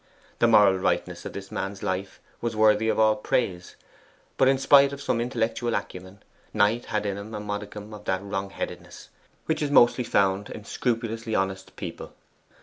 The moral rightness of this man's life was worthy of all praise; but in spite of some intellectual acumen, Knight had in him a modicum of that wrongheadedness which is mostly found in scrupulously honest people.